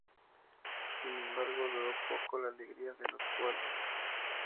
Sin embargo, duró poco la alegría de los locales.